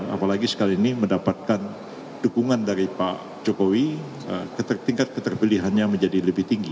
apalagi sekali ini mendapatkan dukungan dari pak jokowi tingkat keterpilihannya menjadi lebih tinggi